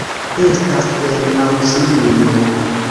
Estas en Aŭstrujo.